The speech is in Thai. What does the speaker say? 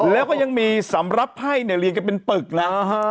แล้วก็ยังมีสำรับให้เลี้ยงมาเป็นตึกนะ